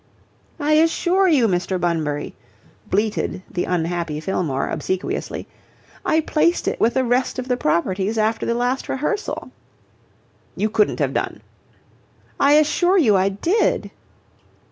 "I assure you, Mr. Bunbury," bleated the unhappy Fillmore, obsequiously. "I placed it with the rest of the properties after the last rehearsal." "You couldn't have done." "I assure you I did."